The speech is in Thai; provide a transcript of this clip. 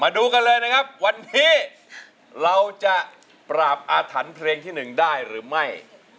ดูกันเลยนะครับวันนี้เราจะปราบอาถรรพ์เพลงที่๑ได้หรือไม่